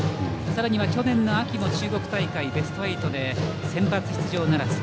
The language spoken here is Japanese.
さらには、去年の秋も中国大会ベスト８でセンバツ出場ならず。